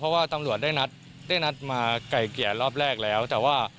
เพราะว่าตำรวจได้นัดมาไก่เกียร์รอบแรกแล้ว